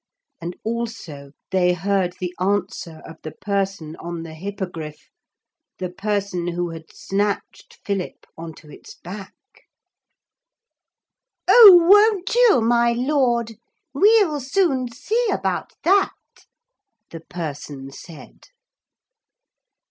And also they heard the answer of the person on the Hippogriff the person who had snatched Philip on to its back. 'Oh, won't you, my Lord? We'll soon see about that,' the person said.